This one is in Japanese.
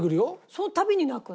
そのたびに泣くの？